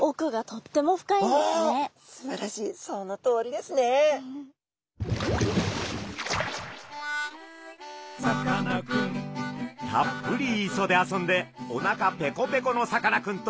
たっぷり磯で遊んでおなかペコペコのさかなクンとシャーク香音さん。